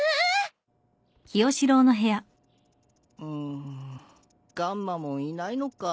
うんガンマモンいないのか。